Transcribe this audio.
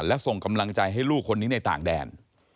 และส่งกำลังใจให้ลูกคนนี้ในต่างแดน